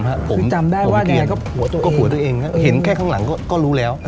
เห็นแค่ข้างหลังก็รู้แล้ว